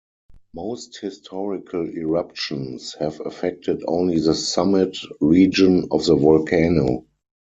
Most historical eruptions have affected only the summit region of the volcano.